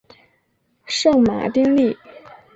圣马丁利。